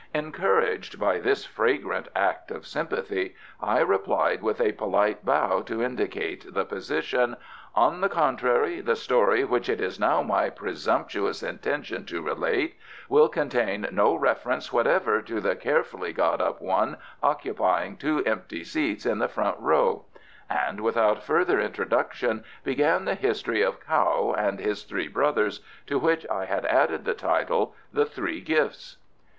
Encouraged by this fragrant act of sympathy I replied with a polite bow to indicate the position, "On the contrary, the story which it is now my presumptuous intention to relate will contain no reference whatever to the carefully got up one occupying two empty seats in the front row," and without further introduction began the history of Kao and his three brothers, to which I had added the title, "The Three Gifts."